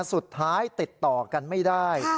สุดท้ายติดต่อกันไม่ได้